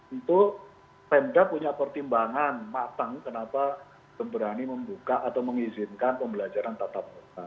untuk pemda punya pertimbangan matang kenapa berani membuka atau mengizinkan pembelajaran tatap muka